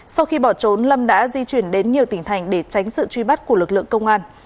sau khi bỏ trốn lâm đã di chuyển đến nhiều tỉnh thành để tránh sự truy bắt của lực lượng công an